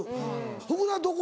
福田どこ？